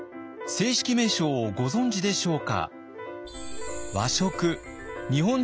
正式名称をご存じでしょうか？